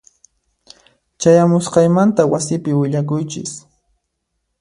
Chayamusqayta wasipi willakuychis.